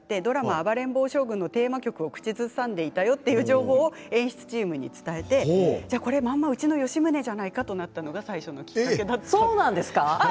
「暴れん坊将軍」のテーマ曲を口ずさんでいたよという情報を演出チームに伝えてこれは、まんまうちの吉宗ではないかとなったのがそうなんですか！